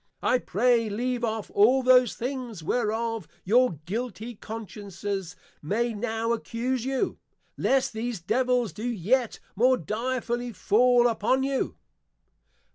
I pray leave off all those things whereof your guilty Consciences may now accuse you, lest these Devils do yet more direfully fall upon you.